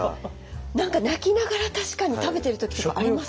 何か泣きながら確かに食べてる時とかあります。